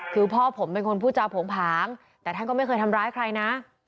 คือพ่อผมเป็นคนพูดจาโผงผางแต่ท่านก็ไม่เคยทำร้ายใครนะ